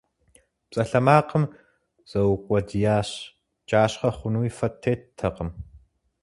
Псалъэмакъым зиукъуэдиящ, кӀащхъэ хъунуи фэ теттэкъым.